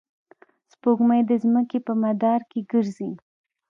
سپوږمۍ د ځمکې په مدار کې ګرځي.